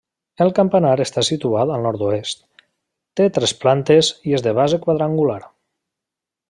El campanar està situat al nord-oest, té tres plantes i és de base quadrangular.